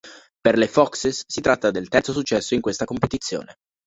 Per le "Foxes" si tratta del terzo successo in questa competizione.